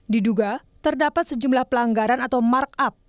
diduga terdapat sejumlah pelanggaran atau markup